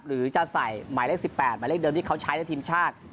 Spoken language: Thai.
หรือจะใส่หมายเลข๑๘หมายเลขเดิมที่เขาใช้ในทีมชาติ